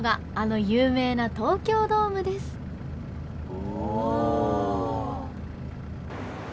お！